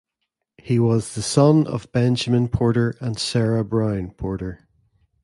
He was the son of Benjamin Porter and Sarah Brown Porter.